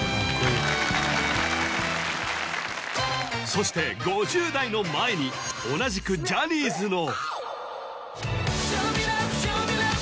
そして５０代の前に同じくジャニーズのＳｎｏｗＭａｎ